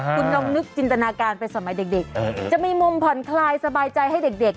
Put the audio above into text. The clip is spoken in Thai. คุณลองนึกจินตนาการไปสมัยเด็กจะมีมุมผ่อนคลายสบายใจให้เด็ก